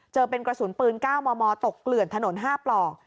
เจอเป็นกระสุนปืนก้าวมอมอตกเหลื่อนถนนห้าปล่อง